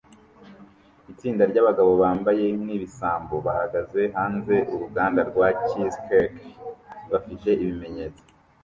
Itsinda ryabagabo bambaye nkibisambo bahagaze hanze Uruganda rwa Cheesecake bafite ibimenyetso